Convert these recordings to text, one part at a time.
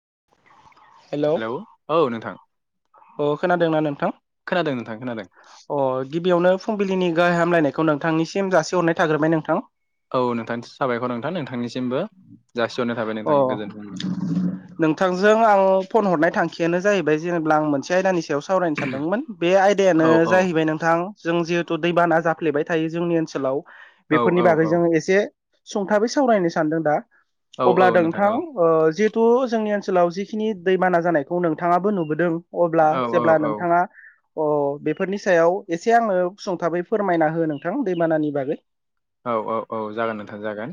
[inaudible] Hello औ नोंथां अ खोनादोंना नोंथां खोनादों नोंथां खोनादों अ गिबियावनो फुंबिलिनि गाहाम हामलायनायखौ नोंथांनिसिम जासि हरनाय थाग्रोबाय नोंथां। औ नोंथांनि साबायखर नोंथां नोंथांनि अ फुंबिलि नोंथांजों आं फन हरनाय थां थांखियानो जाहैबाय जेनेबा आं मोनसे आयदानि सायाव सावरायनो सानदोंमोन। बे औ आयदायानो औ जाहैबाय नोंथां जों जिहेथु दैबाना जाफ्लेबाय थायो जोंनि ओनसोलाव औ बेफोरनि औ बागै जोङो एसे सुंथाबै सावरायनो सानदों दा औ अब्ला औ नोंथां औ ओ जि थु जोंनि ओनसोलाव जिखिनि दैबाना जानायखौ नोंथाङाबो नुबोदों। अब्ला औ औ जेब्ला औ नोंथाङा अ बेफोरनि सायाव एसे आङो सुंथाबै फोरमायना हो नोंथां दैबानानि बागै। औ औ औ जागोन नोंथां जागोन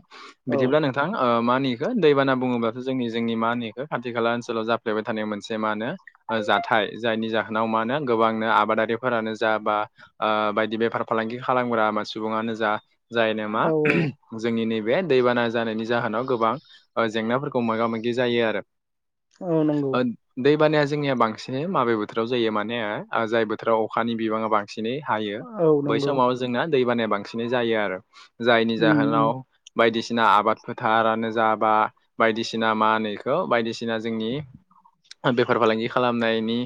औ बिदिब्ला नोंथां मा होनो इखो दैबाना बुङोब्लाथ' जों जोंनि मा होनो बेखौ खाथि खाला ओनसोलाव जाफ्लेबाय थानाय मोनसे मा होनो ओ जाथाय जायनि जा होनखव म गोबांनो आबादारिफोरानो जा बा बायदि बेफार फालांगि खालामग्रा सुबुङा जा जायनो मा? औ औ बे दैबाना जानायनि जाहोनाव गोबां जेंनाफोरखौ मोगा मोगि जायो आरो। औ नंगौ दै बानाया जोंनिया बांसिन माबे बोथोराव जायो माने जाय बोथोराव अखानि बिबाङा बांसिन बांसिनै हायो औ बै नंगौ समाव जोंना दैबानाया बांसिनै जायो आरो। जायनि उम जाहोनाव उम बायदिसिना। बायदिसिना आबाद फोथारानो जा बा बायदिसिना मा होनो बेखौ बायदिसिना जोंनि। बेफार फालांगि खालामनायनि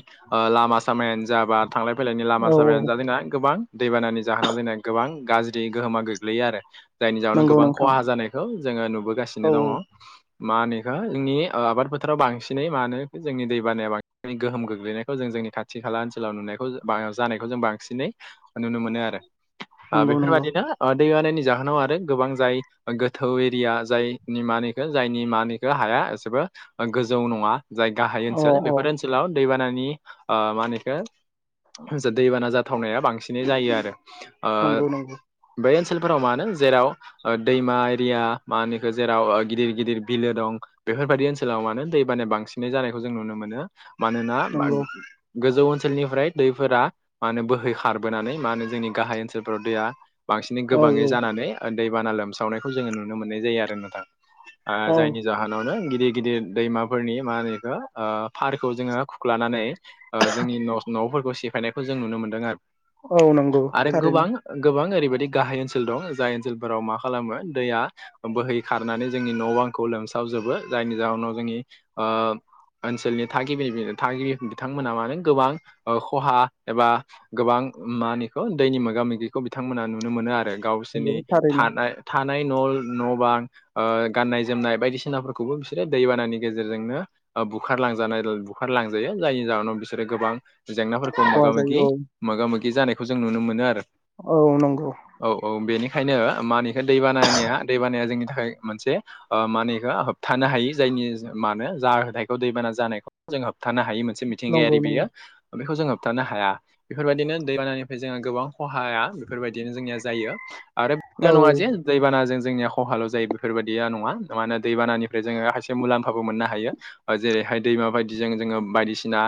लामा सामायानो जा बा। थांलाइ फैलाय लामा औ साबायानो औ जा जादोंना गोबां दैबानानि जाहोनाव जना गोबां गाज्रि गोहोमा गो गोग्लैयो आरो जायनि जाहावनो नंगौ गोबां नोंथां खहा जानायखौ जोङो औ नुबोगासिनो दङ। औ मा होनोखौ जोंनि आबाद फोथाराव बांसिनै मा होनो जोंनि दैबानाया बांसिनै गोहोम गोग्लैनायखौ जों जोंनि खाथि खाला ओनसोलाव नुनायखौ जानायखौ जों बांसिनै नुनो मोनो आरो। नंगौ बेफोर नंगौ बायदिनो [inaudible] जाहोनाव आरो गोबां जाय गोथौ एरिया जाय निमानिखौ जायनिमानिखौ हाया। एसेबो गोजौ नङा जाय गाहाइ अ ओनसोल अ बेफोर ओनसोलाव दैबानानि मानिखो दैबाना जा फोथावनाया बांसिनै जायो आरो। नंगौ नंगौ बे ओनसोलफोराव मा नो जेराव दैमा एरिया मा होनोखौो जेराव गिदिर गिदिर बिलो दं। बेफोरबायाददि ओनसोलाव मानो दै बानाया बांसिनै जानायखौ जों नुनो मोनो मानोना नंगौ गोजौ ओनसोलनिफ्राय दैफोरा मा होनो बोहै खारबोनानै मा होनो जोंनि गाहाय ओनसोलफोराव दैया। बांसिनै औ गोबाङै औ जानानै दैबाना लोमसावनायखौ जोङो नुनो मोननाय जायो आरो नोंथां। औ जायनि जाहोनावनो गिदिर गिदिर दैमाफोरनि मा होनो बेखौ फारखौ जोङो खुख्लानानै। जोंनि न' न'फोरखौ सिफायनायखौ जों नुनो मोन्दों आरो। औ नंगौ आरो थारैनो गोबां गोबां ओरैबायदि गाहाय ओनसोल दं जाय ओनसोलफोराव मा खालामो दैया बोहै खारनानै जोंनि न' बांखौ लोमसाव जोबो जायनि जाहोनाव जोंनि ओ ओनसोलनि थागिबि थागिबि बिथांमोना मानो गोबां खहा एबा गोबां मावहोनो बेखौ दैनि मोगा मोगिखौ बिथांमोना नुनो मोनो आरो नंगौ गावसोरनि थारैनो थानाय था नाय न' न' बां गाननाय जोमनाय बायदिसिनाफोरखौबो बिसोरो दैबानानि गेजेरजोंनो बुखारलांजानाय बुखारलांजायो जायनि जाहोनाव बिसोरो गोबां जेंनाफोरखौ खहा मोगा मोगि जायो औ मोगा मोगि जानायखौ जों नुनो मोनो आरो। औ नं औ औ बेनि बेखायनो मानिखौ दैबानायानिया दैबानाया जोंनि थाखाय मोनसे मानिखौ होबथानो हायो जाय नि मानो जा जाहथायखौ दैबाना जानायखौ जों होबथानो हायो मोनसे नंगौ मिथिंगायारि नंगौ बेयो बेखौ जों होबथानो हाया बेफोरबायदिनो दैबानानिफ्राय जों गोबां खहाया बेफोरबायदिनो जोंनि जायो आरो बेल औ नङा दैबाना जों जोंनिया खहाल' जायो बेफोरबायदिया नङा माने होयो दैबानानिफ्राय जोङो खायसे मुलाम्फाबो मोननो हायो जेरै हाय दैमा बायदिजों जोङो बायदिसिना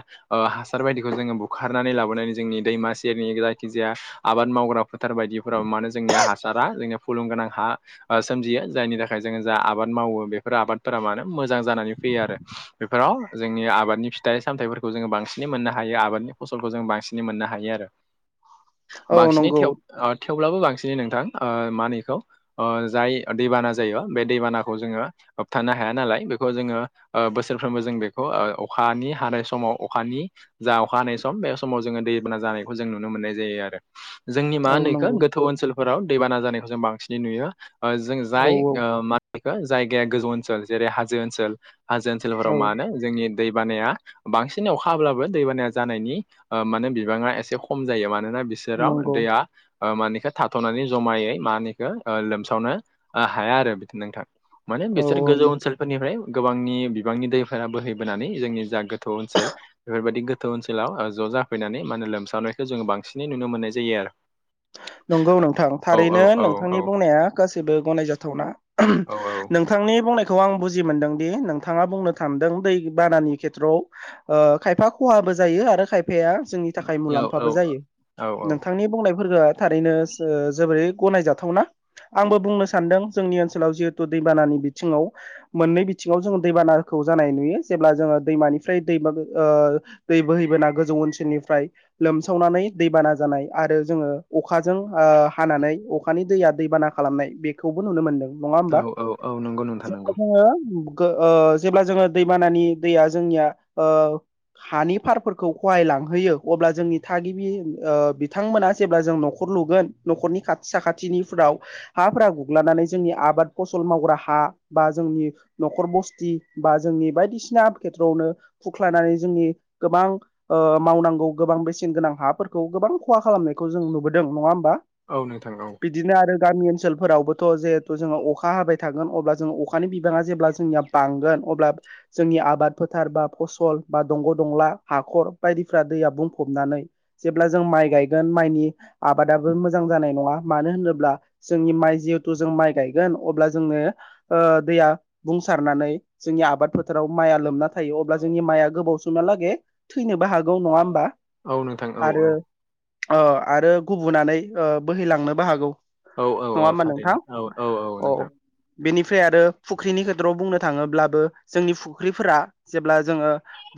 हासार बायदिखौ जोङो बुखारनानै लाबोनानै जोंनि दैमासिम। जोंनि जायखि जाया आबाद मावग्रा फोथार बायदिफोराव मानो जोंनिया हासारा जोंनि खुलुमगोनां हा सोमजियो जायनि थाखाय जोङो जा आबाद मावो बेफोर आबादफोरा मानो मोजां जानानै। फैयो आरो बेफोराव जोंनि आबादनि फिथाइ सामथायाइफोरखौ जोङो बांसिनै मोननो हायो आबादनि फसलखौ जों बांसिन। बांसिनै मोननो हायो आरो औ बांसिनै नंगौ। थेव ओ थेवब्लाबो बांसिनै नोंथां मानिखौ जाय दैबाना जायो बे दैबानाखौ जोङो। होबथानो हाया नालाय बेखौ जोङो बोसोरफ्रोमबो जों बेखौ अखानि हानाय समाव अखानि जा अखा हानाय सम बे समाव जोङो दैबाना जानायखौ जों नुनो मोननाय जायो आरो। औ माखौ नंगौ गोथौ ओनसोलफोराव दैबाना जानायखौ जों बांसिनै नुयो जों औ जाय मा बेखौ जायगाया गोजौ ओनसोल जेरै हाजो ओनसोल हाजो औ ओनसोलफोराव मानो जोंनि दै बानाया बांसिन अखा हाब्लाबो दै बानाया जानायनि माने बिबाङा एसे खम जायो मा मानोना बिसोराव नंगौ दैया मानिखौ थाथ'नानै जमायै मानिखौ लोमसावनो हाया आरो बिदिनो नोंथां। माने औ बिसोर औ गोजौ ओनसोलफोरनिफ्राय गोबांनि बिबांनि दैफोरा बोहैबोनानै जोंनि जा गो थौ ओनसोल बेफोरबायदि गो थौ ओनसोलाव ज' जाफैनानै माने लोमसावनायखौ जोङो बांसिनै नुनो मोननाय जायो आरो। [inaudible] नंगौ नोंथां औ औ थारैनो औ औ नोंथांनि बुंनाया गासैबो गनायजाथावना औ नोंथांनि बुंनाय खौ आं बुजि मोनदों दि नोंथाङा बुंनो सानदों दै बानानि खेथ्रआव खायफा खहा बो जायो खायफाया जोंनि थाखाय औ मुलाम्फाबो जायो औ औ नोंथांनि। बुंनाय फोरा थारैनो जोबोरै गनायजाथावना आंबो बुंनो सानदों जोंनि ओनसोलाव जिहेथु दैबानानि बिथिङाव मोननै बिथिङाव जोङो दैबानाखौ जानाय नुयो जेब्ला जोङो दैमानिफ्राय दै दै बोहैबोना गोजौ ओनसोलनिफ्राय लोमसावनानै दैबाना जानाय आरो जोङो अखाजों हानानै अखानि दैया दैबाना खालामनाय बेखौबो नुनो मोनदों। नङा औ होमबा औ औ नंगौ नोंथां जेराव नंगौ जोङो जेब्ला जोङो दै बानानि दैया जोंनिया हानि फारफोरखौ खहायलाङो लांहोयो अब्ला जोंनि थागिबि बिथांमोना जेब्ला जों न'खर लुगोन न'खरनि खाथि साखाथिनिफ्राव हाफोरा गुग्लानानै जोंनि आबाद फस ला मावग्रा हा बा जों न'खर बसथि बा जोंनि बायदिसिना खेथ्रयावनो खुरख्लानानै जोंनि गोबां मावनांगौ गोबां बेसेन गोनां हाफोरखौ गोबां खहा खालामनाय खौ जों नुबोदों नङा होमबा औ नोंथां औ। बिदिनो आरो गामि ओनसोलफोरावबोथ' जिहेथु जोङो अखा हाबाय थागोन अब्ला जोङो अखानि बिबाङा जेब्ला जोंनिया बांगोन अब्ला जोंनि आबाद फोथार बा फसल बा दंग' दंला हाखर बायदिफ्रा दैया बुंफ नानै जेब्ला जों माइ गाय गोन माइनि आबादाबो मोजां जानाय नङा मानो होनोब्ला जोंनि माइ जिहेथु जों माइ गायगोन अब्ला जोंनो दैया बुंसारनानै जोंनि आबाद फोथाराव माइया लोमना थायो अब्ला जोंनि माइआ गोबाव समालागै थैनोबो हागौ नङा होमबा? औ नोंथां औ औ।। अ आरो गुबुनानै बोहैलांनोबो हागौ। औ औ नङा औ होमबा नोंथां थारैनो औ औ औ अ नोंथां बेनिफ्राय आरो फुख्रिनि खेथ्रयाव बुंनो थाङोब्लाबो जोंनि फुख्रिफोरा जेब्ला जोङो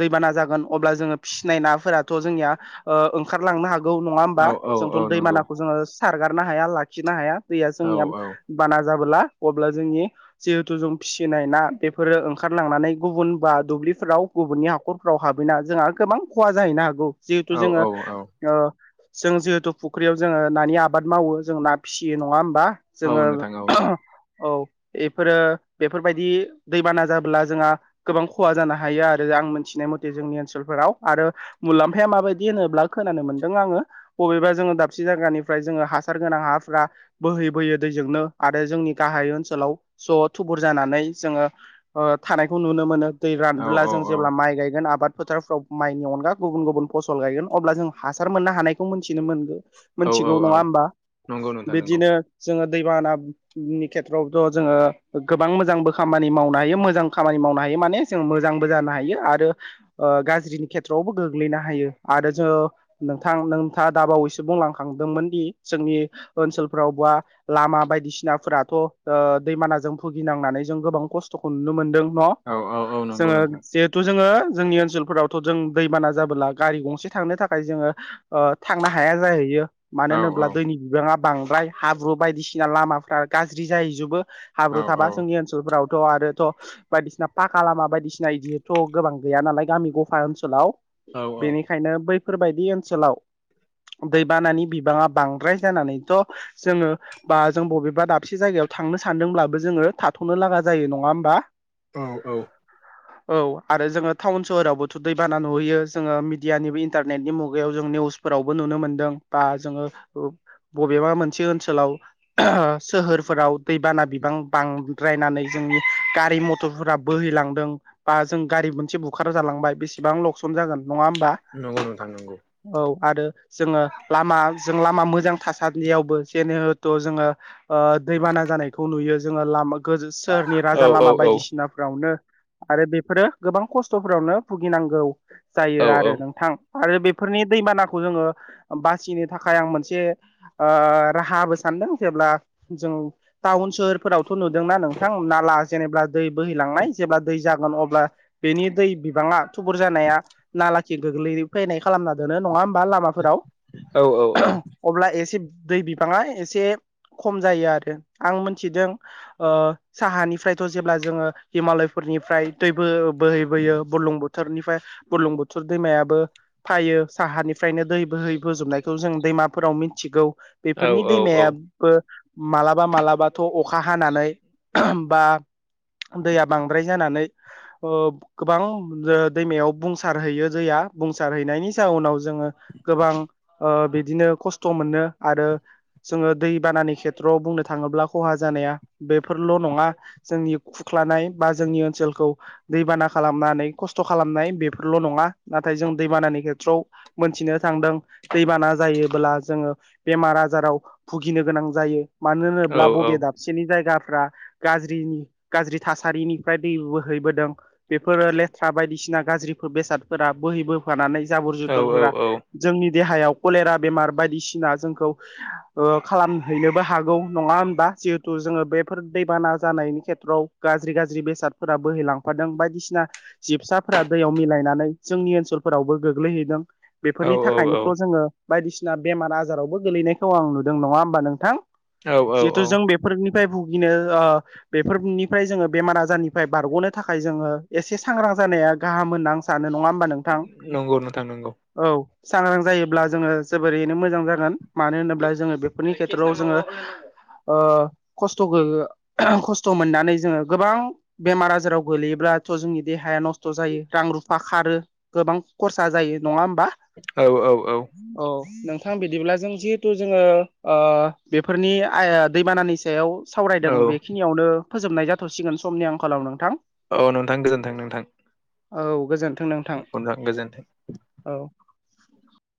दैबाना जागोन अब्ला जोङो फिसिनाय नाफोराथ' जोंनिया ओखारलांनो हाग गौ नङा होमबा औ औ औ जोंथ' नंगौ दैमानाखौ जोङो सारगारनो हाया लाखिनो हाया। दैया औ जोंनिया औ बाना जाबोला अब्ला जोंनि जिहेथु जों फिसिनाय ना बेफोरो ओंखारलांनानै गुबुन बा दुब- दुबलिफ्राव गुबुननि हाखरफ्राव हाबैना जोंहा गोबां खहा जाहैनो हागौ जिहेथु औ जोङो औ ओ जों जिहेथु फुख्रियाव जोङो नानि आबाद मावो जों ना फिसियो नङा होमबा? औ जोङो नोंथां औ औ बेफोरो बेफोरबायदि दैबाना जाबोला जोंहा गोबां खहा जानो हायो आरो। आं मिथिनाय मथे जोंनि ओनसोलफोराव आरो मुलाम्फाया माबायदि होनोब्ला खोनानो मोनदों आङो बबेबा जोङो दाबसे जायगानिफ्राय जोङो हासार गोनां हाफ्रा बोहै बोयो दै जोंनो आरो जोंनि गाहाय ओनसोलाव ज' थुबुर जानानै जोङो थानायखौ नुनो मोनो। दै औ रानबोब्ला औ जों जेब्ला माइ गायगोन आबाद फोथारफ्राव माइनि अनगा गुबुन गुबुन फसल गायगोन अब्ला जों हासार मोननो हानायखौ मोनथिनो मोन औ औ मोनथिगौ औ नङा होमबा नंगौ नोंथां नंगौ बिदिनो जोङो दैबानानि खेथ्रआवथ' जोङो गोबां मोजांबो खामानि मावनो हायो मोजां खामानि मावनो हायो। माने जों मोजांबो जानो हायो आरो गाज्रिनि खेथ्रआवबो गोग्लैनो हायो आरो जोङो नोंथां नोंथाङा दाबावैसो बुंलांखांदोंमोन दि जोंनि ओनसोलफ्राव बा लामा बायदिसिनाफोराथ' ओ दैबानाजों भुगिनांनानै जों गोबां खस्थ'खौ नुनो मोनदों। न' औ औ औ नंगौ जोङो नोंथां जिहेथु जोङो जोंनि ओनसोलफोरावथ' जों दैबाना जाबोला गारि गंसे थांनो थाखाय थाखाय जोङो ओ थांनो हाया जाहैयो मानो औ होनोब्ला औ दैनि बिबाङा बांद्राय हाब्रु बायदिसिना लामाफ्रा गाज्रि जाहैजोबो औ हाब्रु थाबा जोंनि ओनसोलफ्राव। थ' आरोथ' बायदिसिना पाखा लामा बायदिसिना बिदिथ' गोबां गैया नालाय गामि गफा ओनसोलाव। औ बेनिखायनो बैफोरबायदि ओनसोलाव दैबानानि बिबाङा बांद्राय जानानैथ' जोङो बा जों बबेबा दाबसे जायगायाव थांनो सानदोंब्लाबो जोङो थाथ'नो लागा जायो नङा होमबा? औ औ औ आरो जोङो टाउन सोहरावबोथ' दैबाना नुहैयो जोङो मिडियानिबो इन्टारनेटनि मुगायाव जों निउसफोरावबो नुनो मोन्दों बा जोङो बबेबा मोनसे ओनसोलाव सोहोरफोराव दैबाना बिबां बांद्रायनानै जों गारि मटरफोरा बोहैलांदों बा जों गारि मोनसे बुखार जालांबाय बेसेबां लकसन जागोन। नङा होमबा नंगौ नोंथां नंगौ औ आरो जोङो लामा लामा मोजां थासानदियावबो जेहेथ' जोङो दैबाना जानायखौ नुयो जोङो लामा सोहोरनि औ राजा औ लामा औ बायदिसिनाफ्रावनो आरो बेफोरो गोबां खस्थ'फोरावनो भुगिनांगौ जायो आरो नोंथां। आरो बेफोरनि दैबानाखौ जोङो बासिनो थाखाय आं मोनसे राहाबो सान दों जेब्ला जों टाउन सोहोरफोरावथ' नुदोंना नोंथां नाला जेनेबा दै बोहैलां जेब्ला दै जागोन अब्ला बेनि दै बिबाङा थुबुर जानाया नालाखि गोग्लै फैनाय खालामना दोनो नङा होमबा? बा लामाफोराव औ अब्ला एसे दै बिबाङा एसे खम जायो आरो आं मोनथिदों ओ साहानिफ्रायथ' जेब्ला जोङो हिमालयफोर निफ्राय दै बो बोहैबोयो बरलुं बोथोरनिफ्राय बलुं बोथोर दैमायाबो फायो साहानिफ्रायनो दै बोहै बोजोबनायखौ जों दैमाफोराव मिथिगौ। औ बेफोरनि औ दैमायाबो मालाबा मालाबाथ' अखा हानानै बा दैया बांद्राय जानानै ओ गोबां ओ दैमायाव बुंसारहोयो दैया हैनायनि जाउनाव जोङो गोबां ओ बिदिनो खस्थ' मोनो आरो दै बानानि खेथ्रआव बुंनो थाङोब्ला खहा जानाया बेफोरल' नङा जोंनि खुख्लानाय जोंनि ओनसोलखौ दैबाना खालामनानै खस्थ' खालामनाय बेफोरल' नङा नाथाय जों दैबानानि खेथ्रआव मोनथिनो थांदों दैबाना जायोबोब्ला जोङो बेमार आजाराव भुगिनो गोनां जायो मानो औ होनोब्ला औ बबे दाबसेनि जायगा गाज्रि थासारिनिफ्राय दै बोहैबोदों बेफोरो लेथ्रा बायदिसिना सिना गाज्रिफोर बेसादफोरा बोहै बोफानानै जाबोर जुथरफोरा औ जोंनि देहायाव कलेरा बेमार बायदिसिना जोंखौ ओ खालामहैनोबो हागौ नङा होनोमबा? जिहेथु जोङो बेफोर दैबाना जानायनि खेथ्रआव गाज्रि गाज्रि बेसादफोरा बोहैलांफादों बायदिसिना जिबसाफोरा दैयाव मिलायनानै जोंनि ओनसोल फोरावबो गोग्लैहैदों बेफोरनि थाखायनोथ' औ जोङो बायदिसिना बेमार आजारावबो गोलैनायखौ आं नुदों नङा होमबा नोंथां औ जिहेथु जों बेफोरनि भुगिनो ओ बेफोरनिफ्राय जोङो बेमार आजारनिफ्राय बारग'नो थाखाय जोङो एसे सांग्रां जानाया गाहाम होनना आं सानो नङा होमबा औ नोंथां? नंगौ नोंथां नंगौ। औ सांग्रां जायोब्ला जोङो जोबोरैनो मोजां जागोन मानो होनोब्ला जोङो बे नि खेथ्रआव जोङो ओ खस्थ' खस्थ' मोननानै जोङो गोबां बेमार आजाराव गोलैयोब्ला स्थ' जोंनि देहाया नस्थ' जायो रां रुफा खारो गोबां खरसा जायो नङा होम औ औ औ नोंथां बिदिब्ला जों जिहेथु जोङो बेफोरनिइ ओ दैबानानि सायाव सावरायदों औ बेखिनियावनो फोजोबनाय जाथ'सिगोन समनि आंखालाव नोंथां औ नोंथां गोजोन्थों नोंथां औ गोजोन्थों नोंथां गोजोन्थों औ